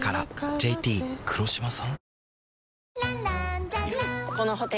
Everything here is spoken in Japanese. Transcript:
ＪＴ黒島さん？